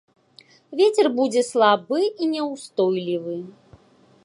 Вецер будзе слабы і няўстойлівы.